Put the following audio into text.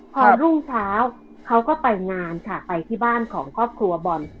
พอรุ่งเช้าเขาก็ไปงานค่ะไปที่บ้านของครอบครัวบอล